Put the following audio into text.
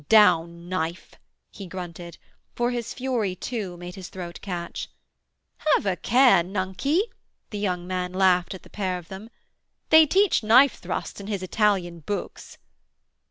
'Down knife,' he grunted, for his fury, too, made his throat catch. 'Have a care, nunkey,' the young man laughed at the pair of them. 'They teach knife thrusts in his Italian books.'